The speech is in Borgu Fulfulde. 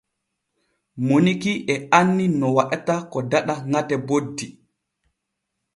Moniki e anni no waɗata ko daɗa ŋate boddi.